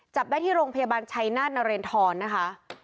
จับได้ที่โรงพยาบาลชัยนาธนเรนทรนะคะ